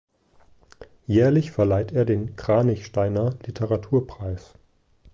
Jährlich verleiht er den "Kranichsteiner Literaturpreis".